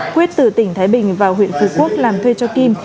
quyết từ tỉnh thái bình vào huyện phú quốc làm thuê cho kim